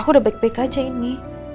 aku udah backpack aja ini